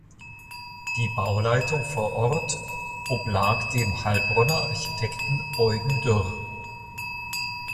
Die Bauleitung vor Ort oblag dem Heilbronner Architekten Eugen Dürr.